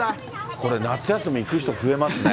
これ、夏休み行く人増えますね。